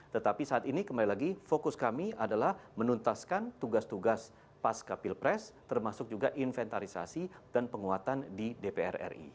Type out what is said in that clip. tetapi saat ini kembali lagi fokus kami adalah menuntaskan tugas tugas pasca pilpres termasuk juga inventarisasi dan penguatan di dpr ri